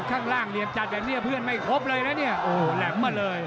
โอ้โหแหลมมาเลย